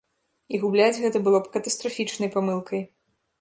І губляць гэта было б катастрафічнай памылкай.